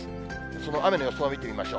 その雨の予想を見てみましょう。